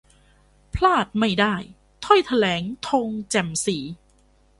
พลาดไม่ได้ ! ถ้อยแถลง 'ธง แจ่มศรี'